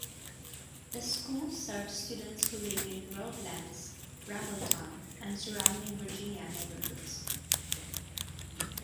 The school serves students who live in Broadlands, Brambleton, and surrounding Virginian neighborhoods.